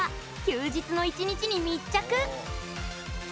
休日の１日に密着！